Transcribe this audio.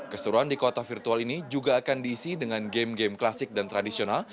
keseruan di kota virtual ini juga akan diisi dengan game game klasik dan tradisional